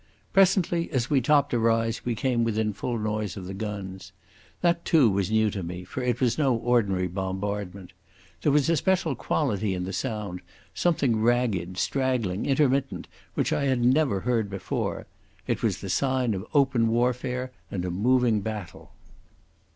Presently as we topped a rise we came within full noise of the guns. That, too, was new to me, for it was no ordinary bombardment. There was a special quality in the sound, something ragged, straggling, intermittent, which I had never heard before. It was the sign of open warfare and a moving battle.